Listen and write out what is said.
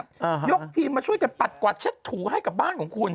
ยกทีมมาช่วยกันปัดกวาดเช็ดถูให้กับบ้านของคุณ